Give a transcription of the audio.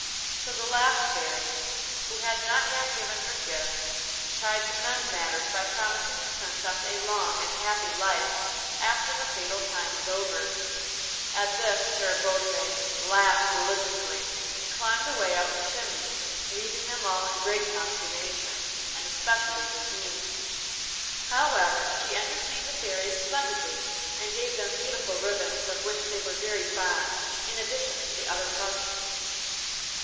So the last Fairy, who had not yet given her gift, tried to mend matters by promising the Princess a long and happy life after the fatal time was over. At this Carabosse laughed maliciously, and climbed away up the chimney, leaving them all in great consternation, and especially the Queen. However, she entertained the fairies splendidly, and gave them beautiful ribbons, of which they are very fond, in addition to the other presents.